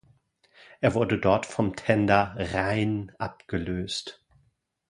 Er wurde dort vom Tender "Rhein" abgelöst.